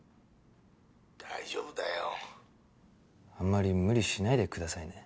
「大丈夫だよ」あんまり無理しないでくださいね。